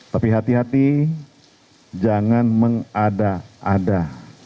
tapi hati hati jangan mengada ada